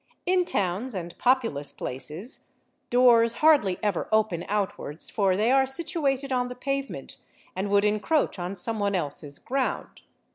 In towns and populous places Ny doors hardly ever open outwards for they are situated on the pavement and would encroach on someone else's ground.